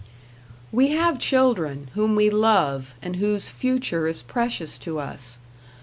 We have children, whom we love, and whose future is precious to us.